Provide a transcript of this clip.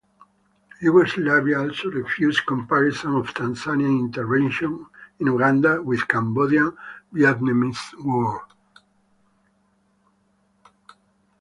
Yugoslavia also refused comparison of Tanzanian intervention in Uganda with Cambodian–Vietnamese War.